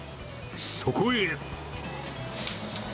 そこへ。